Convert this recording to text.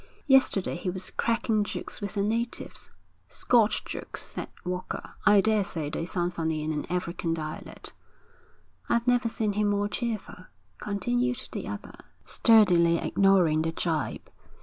Yesterday he was cracking jokes with the natives.' 'Scotch jokes,' said Walker. 'I daresay they sound funny in an African dialect.' 'I've never seen him more cheerful,' continued the other, sturdily ignoring the gibe.